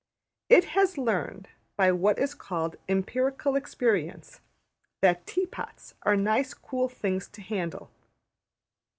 It has learned, by what is called ``empirical experience,'' that tea pots are nice cool things to handle.